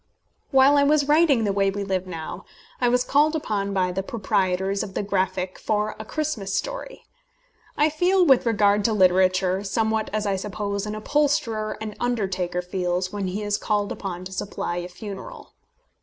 While I was writing The Way We Live Now, I was called upon by the proprietors of the Graphic for a Christmas story. I feel, with regard to literature, somewhat as I suppose an upholsterer and undertaker feels when he is called upon to supply a funeral.